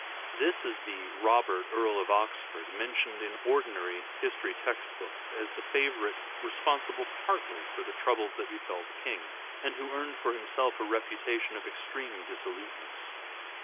This is the Robert, Earl of Oxford, mentioned in ordinary history text books as the favourite responsible partly for the troubles that befell the King, and who earned for himself a reputation of extreme dissoluteness.